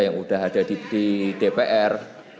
yang sudah ada di dpr